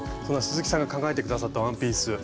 そんな鈴木さんが考えて下さったワンピース